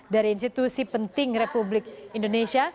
dari institusi penting republik indonesia